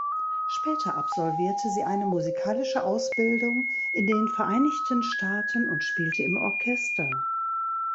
Später absolvierte sie eine musikalische Ausbildung in den Vereinigten Staaten und spielte im Orchester.